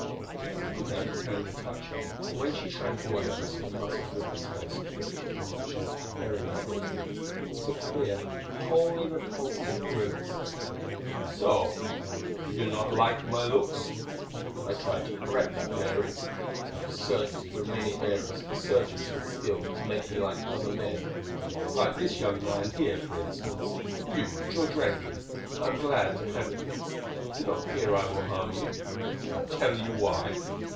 He put out his hand to touch her, and when she shrank away I saw the muscles of his face twitch in a fashion very odd. It was a queer, wholly repulsive grimace. "So? You do not like my looks? I tried to correct that, Mary. I have searched through many eras, for surgeons with skill to make me like other men. Like this young man here, for instance you. George Rankin, I am glad to have you; do not fear I will harm you. Shall I tell you why?"